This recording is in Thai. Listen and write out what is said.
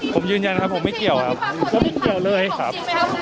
ผมยืนยันนะครับผมไม่เกี่ยวครับผมเกี่ยวเลยครับ